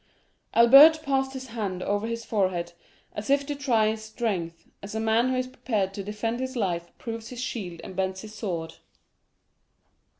Albert passed his hand over his forehead, as if to try his strength, as a man who is preparing to defend his life proves his shield and bends his sword.